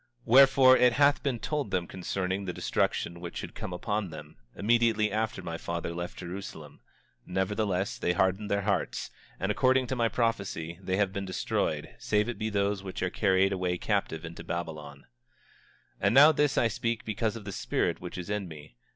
25:10 Wherefore, it hath been told them concerning the destruction which should come upon them, immediately after my father left Jerusalem; nevertheless, they hardened their hearts; and according to my prophecy they have been destroyed, save it be those which are carried away captive into Babylon. 25:11 And now this I speak because of the spirit which is in me.